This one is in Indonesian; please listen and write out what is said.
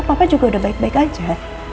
papa juga udah baik baik aja